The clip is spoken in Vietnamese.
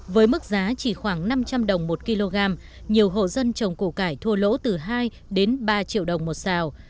với mức giá chỉ khoảng năm trăm linh đồng một kg nhiều hộ dân trồng củ cải thua lỗ từ hai đến ba triệu đồng một xào